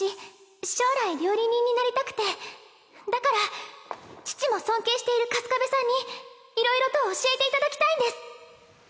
将来料理人になりたくてだから父も尊敬している粕壁さんにいろいろと教えていただきたいんです